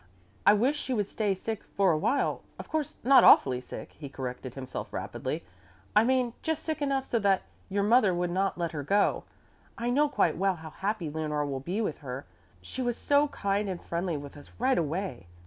"I wish she would stay sick for a while of course not awfully sick," he corrected himself rapidly, "I mean just sick enough so that your mother would not let her go. I know quite well how happy Leonore will be with her. She was so kind and friendly with us right away.